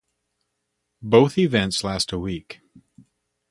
Both events last a week.